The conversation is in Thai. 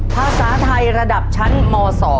ภาษาไทยระดับชั้นม๒